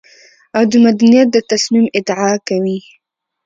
او د مدنيت د تصميم ادعا کوي.